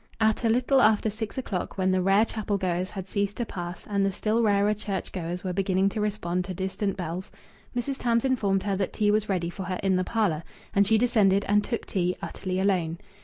At a little after six o'clock, when the rare chapel goers had ceased to pass, and the still rarer church goers were beginning to respond to distant bells, Mrs. Tams informed her that tea was ready for her in the parlour, and she descended and took tea, utterly alone.